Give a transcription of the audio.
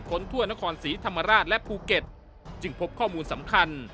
ทั่วนครศรีธรรมราชและภูเก็ตจึงพบข้อมูลสำคัญ